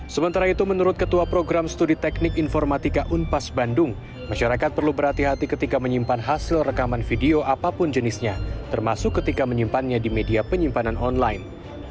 sementara itu menurut ketua program studi teknik informatika unpas bandung masyarakat perlu berhati hati ketika menyimpan hasil rekaman video apapun jenisnya termasuk ketika menyimpannya di media penyimpanan online